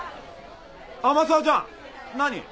天沢じゃん何？